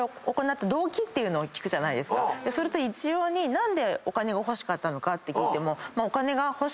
それと一様に何でお金が欲しかったのかって聞いても。